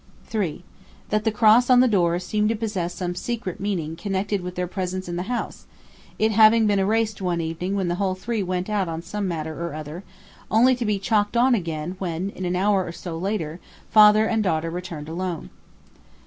3. That the cross on the door seemed to possess some secret meaning connected with their presence in the house, it having been erased one evening when the whole three went out on some matter or other, only to be chalked on again when in an hour or so later, father and daughter returned alone.